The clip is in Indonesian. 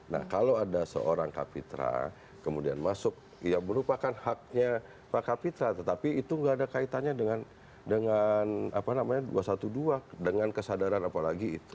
nah kalau ada seorang kapitra kemudian masuk ya merupakan haknya pak kapitra tetapi itu nggak ada kaitannya dengan dua ratus dua belas dengan kesadaran apalagi itu